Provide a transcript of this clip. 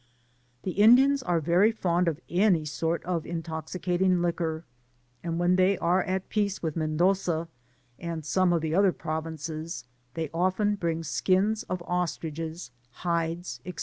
The Indians are very fond of any sort of intoxi cating liquor, and when they are at peace with M endoza, and some dT the other provinces, they often bring skins of ostriches, hides, &c.